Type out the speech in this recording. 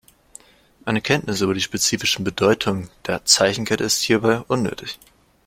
Eine Kenntnis über die spezifischen Bedeutung der Zeichenkette ist hierbei unnötig.